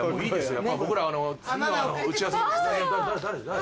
誰？